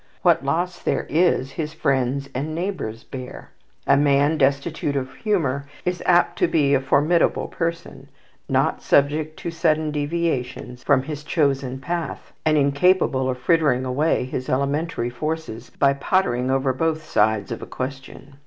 What loss there is, his friends and neighbours bear. A man destitute of humour is apt to be a formidable person, not subject to sudden deviations from his chosen path, and incapable of frittering away his elementary forces by pottering over both sides of a question.